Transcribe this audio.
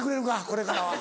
これからは。